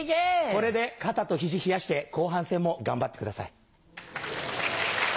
これで肩と肘冷やして後半戦も頑張ってください。